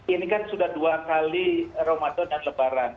ini kan sudah dua kali ramadan dan lebaran